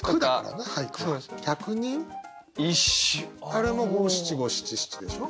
あれも五七五七七でしょ。